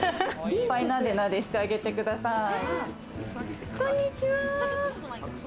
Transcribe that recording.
いっぱい、なでなでしてあげこんにちは。